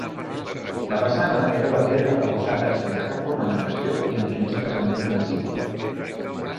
La façana era de pedra arrebossada sense cap ornamentació i amb finestres amb ritme simple.